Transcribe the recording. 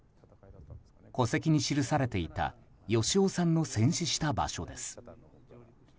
戸籍に記されていた芳雄さんの戦死した場所です。